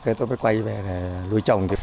thế tôi mới quay về nuôi trồng